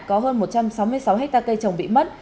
có hơn một trăm sáu mươi sáu hectare cây trồng bị mất